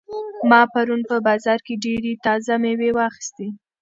ما پرون په بازار کې ډېرې تازه مېوې واخیستې.